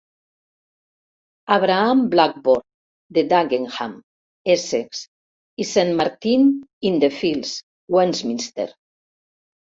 Abraham Blackborne de Dagenham, Essex, i Saint Martin-in-the-Fields, Westminster.